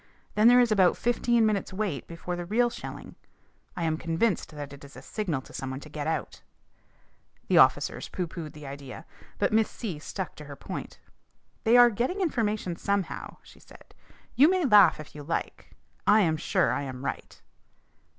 Then there is about fifteen minutes' wait before the real shelling. I am convinced that it is a signal to some one to get out." The officers pooh poohed the idea. But Miss C stuck to her point. "They are getting information somehow," she said. "You may laugh if you like. I am sure I am right."